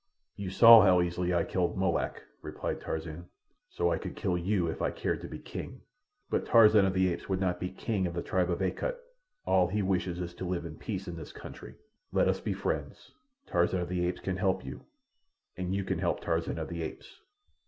"You saw how easily I killed Molak," replied Tarzan. "So I could kill you if I cared to be king. But Tarzan of the Apes would not be king of the tribe of Akut. All he wishes is to live in peace in this country. Let us be friends. Tarzan of the Apes can help you, and you can help Tarzan of the Apes."